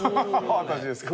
私ですか？